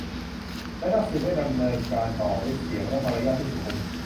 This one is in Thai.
และนักสืบได้ดำเนินการต่อด้วยเสียงและมารยาทที่สุขุม